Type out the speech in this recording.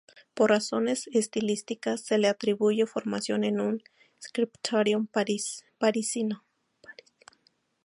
Por razones estilísticas se le atribuye formación en un scriptorium parisino.